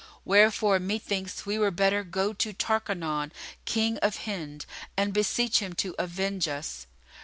Wherefore, methinks we were better go to Tarkanán, King of Hind, and beseech him to avenge us."